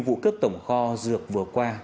vụ cướp tổng kho dược vừa qua